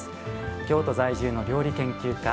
京都在住の料理研究家